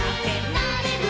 「なれる」